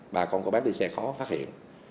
bà con có bán đi xe khó phát hiện